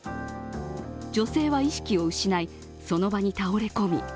女性は意識を失い、その場に倒れ込み